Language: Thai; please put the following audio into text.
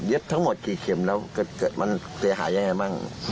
ทั้งหมดกี่เข็มแล้วมันเสียหายยังไงบ้าง